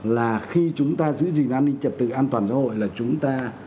là khi chúng ta giữ gìn an ninh trật tự an toàn xã hội là chúng ta